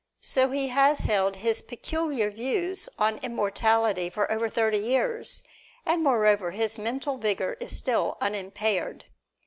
So he has held his peculiar views on immortality for over thirty years, and moreover his mental vigor is still unimpaired.